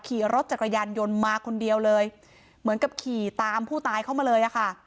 ขี่รถจักรยานยนต์มาคนเดียวเลยเหมือนกับขี่ตามผู้ตายเข้ามาเลยอะค่ะ